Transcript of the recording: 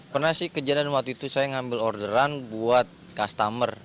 pernah sih kejadian waktu itu saya ngambil orderan buat customer